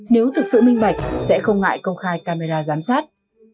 nếu thực sự minh bạch sẽ không ngại công khai camera giám sát